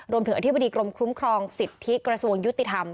รวมถึงอธิบดีกรมคลุ้มครองสิทธิ์ที่กระทรวงยุติธรรม